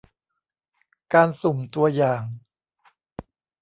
การสุ่มตัวอย่าง